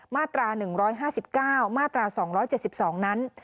มาตรา๑๕๙มาตรา๒๗๒นั้น